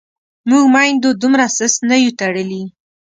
موږ میندو دومره سست نه یو تړلي.